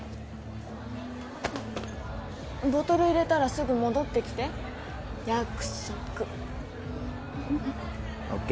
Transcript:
ボトル入れたらすぐ戻ってきて約束ＯＫ